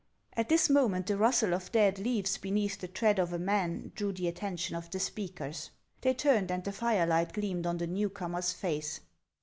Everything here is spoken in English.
At this moment the rustle of dead leaves beneath the tread of a man drew the attention of the speakers ; they turned, and the firelight gleamed on the new comer's face.